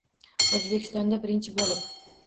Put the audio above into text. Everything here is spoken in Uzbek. O’zbekistonda birinchi bo’lib